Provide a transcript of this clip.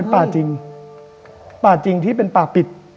ประจริงที่เป็นปาร์ปิด